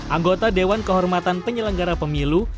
anggota dewan kehormatan penyelenggara pemilu